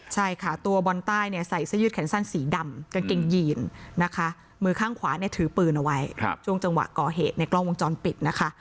ใช่ค่ะตัวบอลใต้เนี่ยใส่เสื้อยืดแขนสั้นสีดำกางเกงยีนนะคะมือข้างขวาเนี่ยถือปืนเอาไว้ช่วงจังหวะก่อเหตุในกล้องวงจรปิดนะคะ